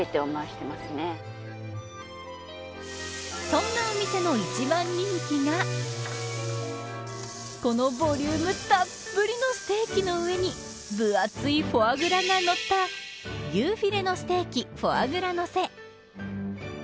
そんなお店の一番人気がこのボリュームたっぷりのステーキの上に分厚いフォアグラがのった牛フィレのステーキフォアグラのせ。